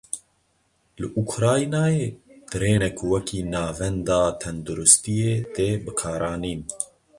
Li Ukraynayê trênek wekî navenda tendirustiyê tê bikaranîn.